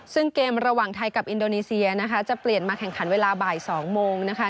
ซึ่งเกมระหว่างไทยกับอินโดนีเซียนะคะจะเปลี่ยนมาแข่งขันเวลาบ่าย๒โมงนะคะ